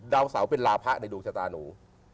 ดาวเสาเป็นลาพะในดวงชะตาหนู